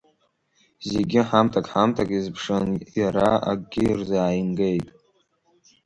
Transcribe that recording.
Зегьы ҳамҭак-ҳамҭак иазԥшын, иара акгьы рзааимгеит.